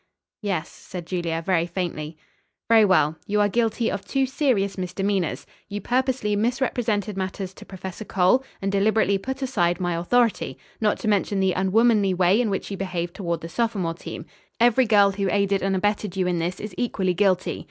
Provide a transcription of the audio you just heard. "Yes," said Julia very faintly. "Very well. You are guilty of two serious misdemeanors. You purposely misrepresented matters to Professor Cole and deliberately put aside my authority; not to mention the unwomanly way in which you behaved toward the sophomore team. Every girl who aided and abetted you in this is equally guilty.